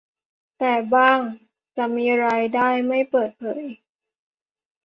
แต่บ้างจะมีรายได้ไม่เปิดเผย